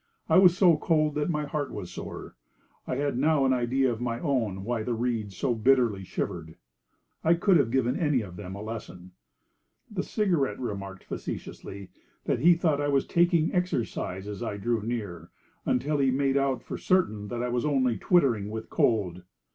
I was so cold that my heart was sore. I had now an idea of my own why the reeds so bitterly shivered. I could have given any of them a lesson. The Cigarette remarked facetiously that he thought I was 'taking exercise' as I drew near, until he made out for certain that I was only twittering with cold.